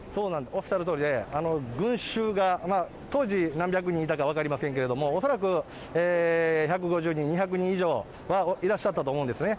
おっしゃるとおりで、群衆が、当時、何百人いたか分かりませんけれども、恐らく１５０人、２００人以上はいらっしゃったと思うんですね。